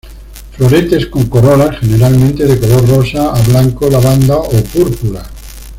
Floretes con corolas generalmente de color rosa a blanco lavanda o púrpura.